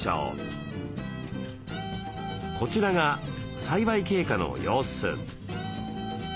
こちらが栽培経過の様子。